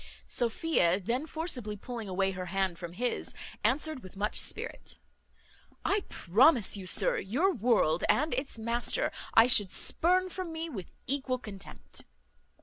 Sophia then, forcibly pulling away her hand from his, answered with much spirit, "I promise you, sir, your world and its master I should spurn from me with equal contempt."